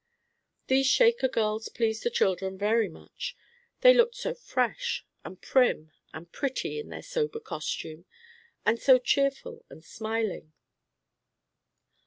These Shaker girls pleased the children very much; they looked so fresh and prim and pretty in their sober costume, and so cheerful and smiling.